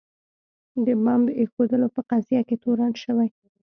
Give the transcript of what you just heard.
د بمب ایښودلو په قضیه کې تورن شوي.